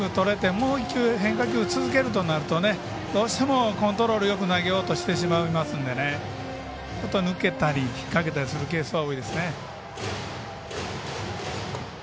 もう一球変化球を続けるとなるとどうしてもコントロールよく投げようとしてしまいますんでちょっと抜けたり引っかけたりするケースは多いですね。